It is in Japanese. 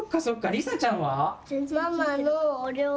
りさちゃんは？